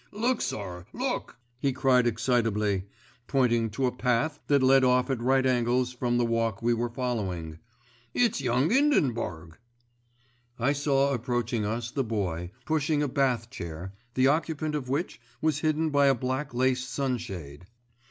"Look, sir! Look!" he cried excitably, pointing to a path that led off at right angles from the walk we were following. "It's Young 'Indenburg." I saw approaching us the Boy, pushing a bath chair, the occupant of which was hidden by a black lace sunshade.